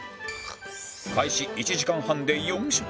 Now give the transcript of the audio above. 開始１時間半で４食目